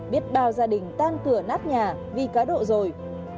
biết bao gia đình tan cửa nát nhà vì cá độ rồi